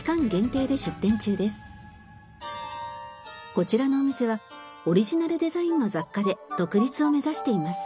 こちらのお店はオリジナルデザインの雑貨で独立を目指しています。